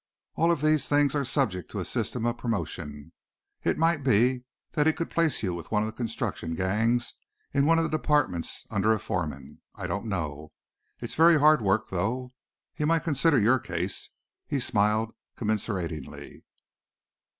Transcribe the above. "All of these things are subject to a system of promotion. It might be that he could place you with one of the construction gangs in one of the departments under a foreman. I don't know. It's very hard work, though. He might consider your case." He smiled commiseratingly.